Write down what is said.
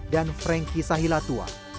dan frankie sahilatua